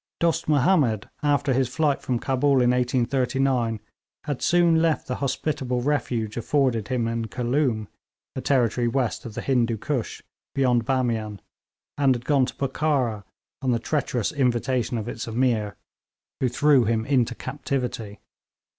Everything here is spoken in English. Dost Mahomed, after his flight from Cabul in 1839, had soon left the hospitable refuge afforded him in Khooloom, a territory west of the Hindoo Koosh beyond Bamian, and had gone to Bokhara on the treacherous invitation of its Ameer, who threw him into captivity.